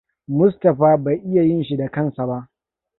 Mustapha bai iya yin shi da kansa ba.